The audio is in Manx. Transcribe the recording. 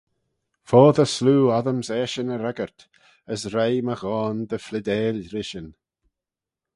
Foddey sloo oddym's eshyn y reggyrt, as reih my ghoan dy phleadeil rishyn.